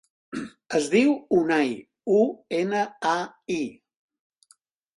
Es diu Unai: u, ena, a, i.